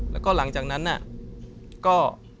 แล้วก็หลังจากนั้นก็